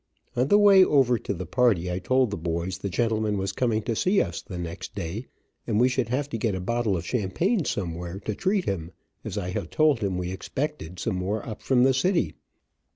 On the way over to the party I told the boys the gentleman was coming to see us the next day, and we should have to get a bottle of champagne some where, to treat him, as I had told him we expected, some more up from the city.